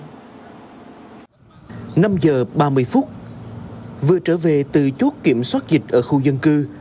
năm giờ ba mươi phút vừa trở về từ chốt kiểm soát dịch ở khu dân cư